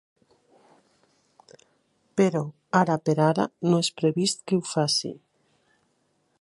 Però ara per ara no és previst que ho faci.